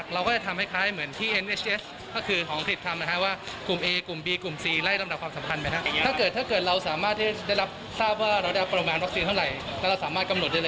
เราลองฟังเสียงโฆษกฎมดีกว่าค่ะ